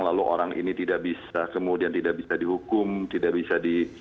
lalu orang ini tidak bisa kemudian tidak bisa dihukum tidak bisa di